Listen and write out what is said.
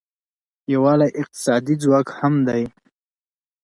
یووالی اقتصادي ځواک هم دی.